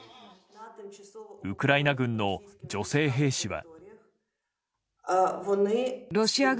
ウクライナ軍の女性兵士は。